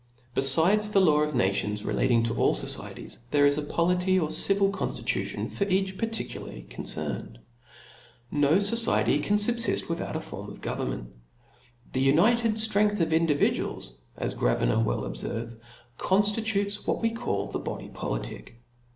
Belides the law of nations relating to all focieties, there is a polity or civil conftitution for each par ticularly confidered. No fociety can fubfift with^ out a form of government, ^he united ftrengtb of individuals^ as Gravina well obferves, conjiitutes what we call the body politic.